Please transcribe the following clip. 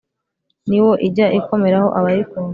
ni wo ijya ikomeraho abayikunda.